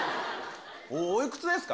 おいくつですか？